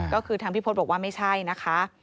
ก็คือทางพี่พศบอกว่าไม่ใช่นะคะ